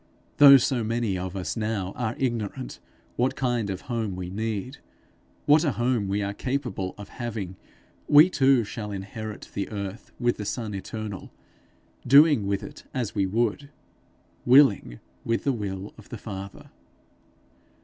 Though so many of us now are ignorant what kind of home we need, what a home we are capable of having, we too shall inherit the earth with the Son eternal, doing with it as we would willing with the will of the Father.